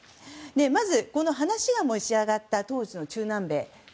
まず話が持ち上がった当時の中南米